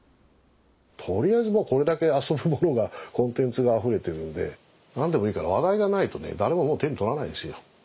とりあえずこれだけ遊ぶものがコンテンツがあふれてるので何でもいいから話題がないとね誰ももう手に取らないですよ。